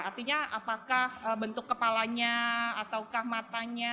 artinya apakah bentuk kepalanya ataukah matanya